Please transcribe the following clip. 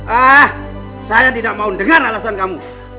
ah saya tidak mau dengar alasan kamu